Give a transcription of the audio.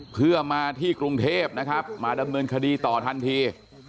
เพื่อมาที่กรุงเทพนะครับมาดำเนินคดีต่อทันที